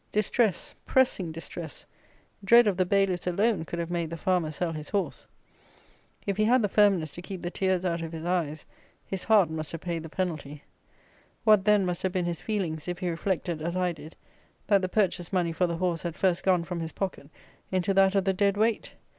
Distress; pressing distress; dread of the bailiffs alone could have made the farmer sell his horse. If he had the firmness to keep the tears out of his eyes, his heart must have paid the penalty. What, then, must have been his feelings, if he reflected, as I did, that the purchase money for the horse had first gone from his pocket into that of the dead weight!